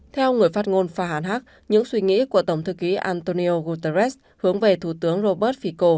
theo người phát ngôn fahak những suy nghĩ của tổng thư ký antonio guterres hướng về thủ tướng robert fico